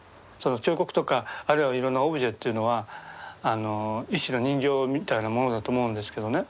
彫刻とかあるいはいろんなオブジェというのは一種の人形みたいなものだと思うんですけどね。